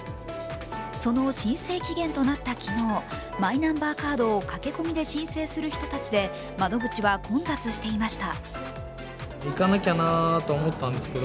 その申請期限となった昨日マイナンバーカードを駆け込みで申請する人たちで窓口は混雑していました。